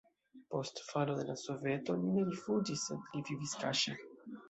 Post falo de la Soveto li ne rifuĝis, sed li vivis kaŝe.